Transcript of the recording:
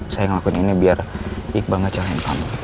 saya ngelakuin ini biar iqbal gak carain kamu